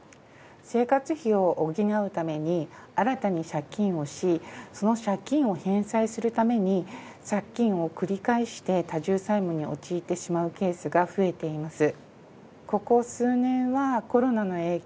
生活費を補うために新たに借金をしその借金を返済するために借金を繰り返して多重債務に陥ってしまうケースが増えています。